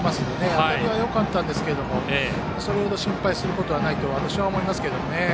当たりはよかったんですけれどもそれ程心配することはないと私は思いますけどね。